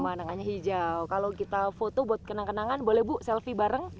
pemandangannya hijau kalau kita foto buat kenang kenangan boleh bu selfie bareng